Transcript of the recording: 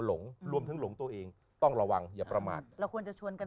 หลงรวมถึงหลงตัวเองต้องระวังอย่าประมาทเราควรจะชวนกัน